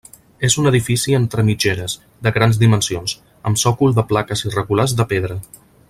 És un edifici entre mitgeres, de grans dimensions, amb sòcol de plaques irregulars de pedra.